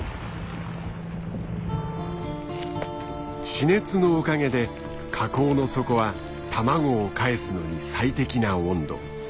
地熱のおかげで火口の底は卵をかえすのに最適な温度。